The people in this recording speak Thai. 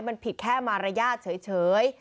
มันผิดแค่มารยาทเฉย